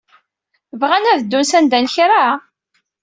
Bɣan ad ddun sanda n kra?